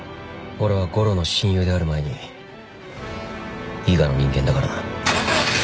俺は悟郎の親友である前に伊賀の人間だからな。